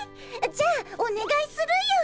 じゃあおねがいするよ。